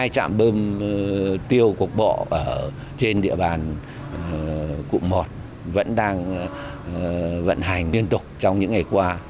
một mươi hai trạm bơm tiêu quốc bộ trên địa bàn cụm một vẫn đang vận hành liên tục trong những ngày qua